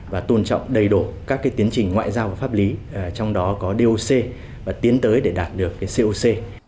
và tôn trọng đầy đủ các tiến trình ngoại giao và pháp lý trong đó có doc và tiến tới để đạt được coc